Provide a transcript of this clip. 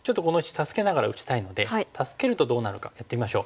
助けながら打ちたいので助けるとどうなるかやってみましょう。